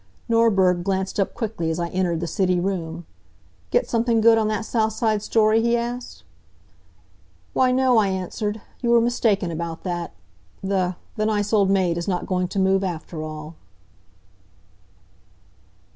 Norberg glanced up quickly as I entered the city room. "Get something good on that south side story?" he asked. "Why, no," I answered. "You were mistaken about that. The the nice old maid is not going to move, after all."